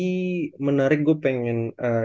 yang menarik gue pengen